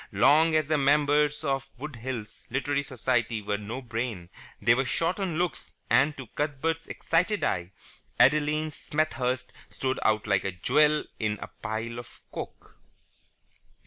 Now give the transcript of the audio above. Long as the members of Wood Hills Literary Society were on brain, they were short on looks, and, to Cuthbert's excited eye, Adeline Smethurst stood out like a jewel in a pile of coke.